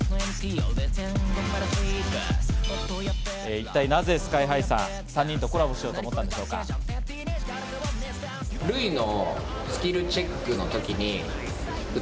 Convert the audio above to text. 一体なぜＳＫＹ−ＨＩさん、３人とコラボしようと思ったの？